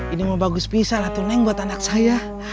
ini bagus bisa lah tuh neng buat anak saya